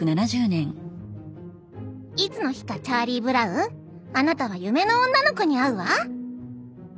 「いつの日かチャーリー・ブラウンあなたは夢の女の子に会うわ」。